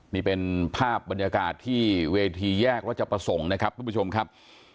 นี่เป็นภาพบรรยากาศที่เวทีแยกรัชประสงค์นะครับทุกผู้ชมครับ